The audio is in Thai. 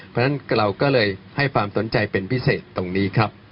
เพราะฉะนั้นเราก็เลยให้ความสนใจเป็นพิเศษตรงนี้ครับ